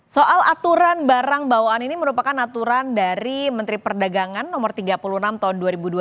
soal aturan barang bawaan ini merupakan aturan dari menteri perdagangan no tiga puluh enam tahun dua ribu dua puluh